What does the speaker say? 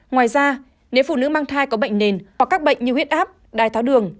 ngoài ra nếu phụ nữ mang thai có bệnh nền hoặc các bệnh như huyết áp đai tháo đường